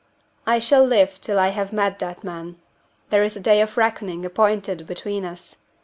I shall live till I have met that man! There is a day of reckoning appointed between us.